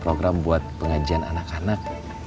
program buat pengajian anak anak